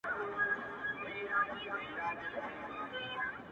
او هم یوازي. نور نو هغه کابل